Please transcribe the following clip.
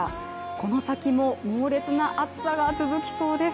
この先も猛烈な暑さが続きそうです。